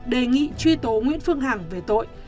đề nghị truy tố nguyễn phương hằng về tội